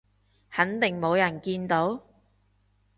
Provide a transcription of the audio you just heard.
肯定冇人見到？